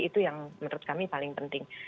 itu yang menurut kami paling penting